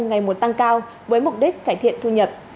ngày một tăng cao với mục đích cải thiện thu nhập